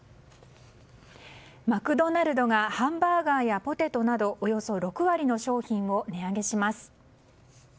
マクドナルドがハンバーガーやポテトなどおよそ６割の商品を値上げします。